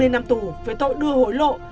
hai mươi năm tù về tội đưa hối lộ